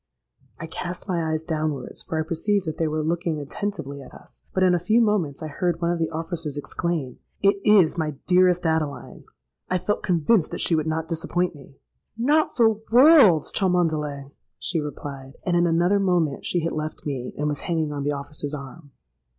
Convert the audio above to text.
I cast my eyes downwards, for I perceived that they were looking attentively at us; but in a few moments I heard one of the officers exclaim, 'It is my dearest Adeline! I felt convinced that she would not disappoint me.'—'Not for worlds, Cholmondeley,' she replied;—and, in another moment, she had left me and was hanging on the officer's arm.